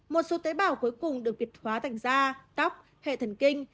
một số tế bào cuối cùng được việt khóa thành da tóc hệ thần kinh